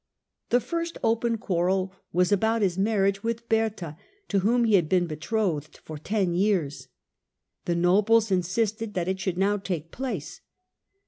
The first open quarrel was about his marriage with Bertha, to whom he had been betrothed ten years. The Marriage of nobles insisted that it should now take place.